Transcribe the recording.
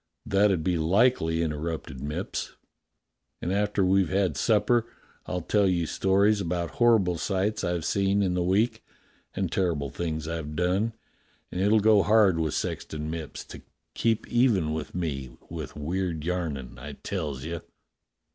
"That 'ud be likely," interrupted Mipps. "And, after we've had supper, I'll tell you stories about horrible sights I've seen in the week, and terrible things I've done, and it'll go hard with Sexton Mipps to keep even with me with weird yarnin', I tells you."